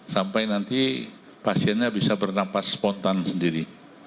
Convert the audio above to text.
sampai nanti pasiennya bisa bernapas spontan sendiri